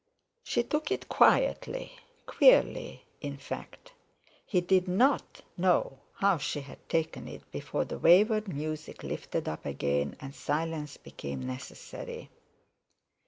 She took it quietly, queerly; in fact, he did not know how she had taken it before the wayward music lifted up again and silence became necessary.